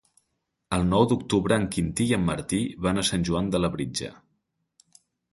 El nou d'octubre en Quintí i en Martí van a Sant Joan de Labritja.